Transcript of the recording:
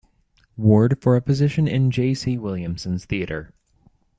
Ward for a position in J. C. Williamson's theatre.